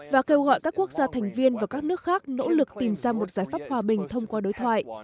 và kêu gọi các quốc gia thành viên và các nước khác nỗ lực tìm ra một giải pháp hòa bình thông qua đối thoại